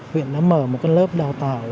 huyện đã mở một lớp đào tạo